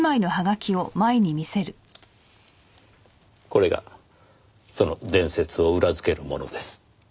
これがその伝説を裏づけるものです。